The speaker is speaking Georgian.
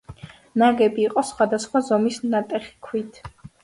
ნაგები იყო სხვადასხვა ზომის ნატეხი ქვით.